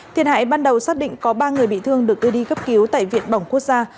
thiệt hại ban đầu xác định có ba người bị thương được đưa đi cấp cứu tại viện bỏng quốc gia